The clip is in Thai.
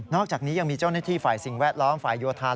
อกจากนี้ยังมีเจ้าหน้าที่ฝ่ายสิ่งแวดล้อมฝ่ายโยธาน